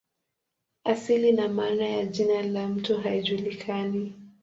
Asili na maana ya jina la mto haijulikani.